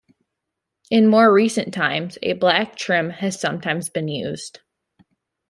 In more recent times a black trim has sometimes been used.